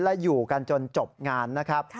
และอยู่กันจนจบงานนะครับ